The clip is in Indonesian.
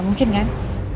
gak mungkin kan